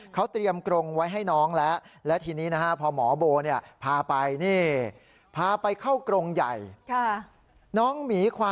เขาเตรียมกรงไว้ให้น้องแล้ว